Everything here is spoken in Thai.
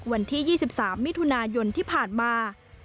วันที่๒๓มิถุนายนที่ผ่านมา